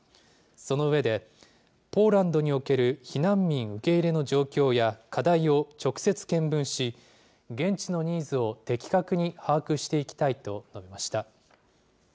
その上で、ポーランドにおける避難民受け入れの状況や、課題を直接見聞し、現地のニーズを的確に把握していきたいと述べました。